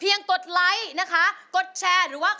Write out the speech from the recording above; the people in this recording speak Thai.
ร้องได้ให้ร้าง